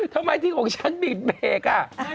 ทำไมที่ของฉันปิดเพงกฎ่า